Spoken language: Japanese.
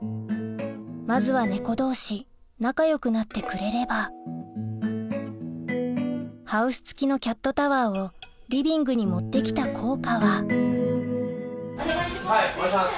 まずは猫同士仲よくなってくれればハウス付きのキャットタワーをリビングに持って来た効果はお願いします